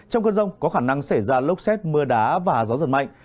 trong cơn rông có khả năng xảy ra lốc xét mưa đá và gió giật mạnh